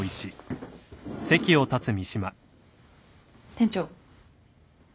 店長。